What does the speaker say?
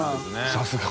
さすが。